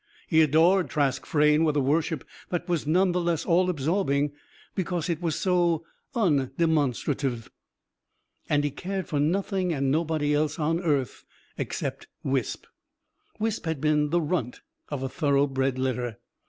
He adored Trask Frayne with a worship that was none the less all absorbing because it was so undemonstrative. And he cared for nothing and nobody else on earth except Wisp. Wisp had been the runt of a thoroughbred litter.